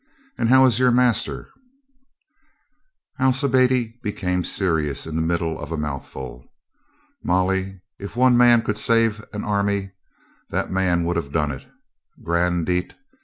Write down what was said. "And how is your master?" Alcibiade became serious in the middle of a mouthful. "Molly, if one man could save an army, that man would have done it. Grand Diett!"